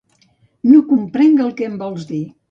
No comprenc el que em vols dir.